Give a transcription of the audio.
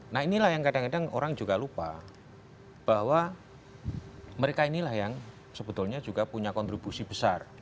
nah inilah yang kadang kadang orang juga lupa bahwa mereka inilah yang sebetulnya juga punya kontribusi besar